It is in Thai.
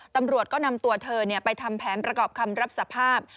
ตำรวจก็นำตัวเธอไปทำแผนประกอบคำรับสภาพ